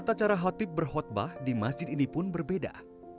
tata cara khotib berkhutbah di masjid ini pun berbeda